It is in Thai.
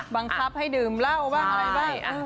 บังคับให้ดื่มเหล้าแยงป่ะ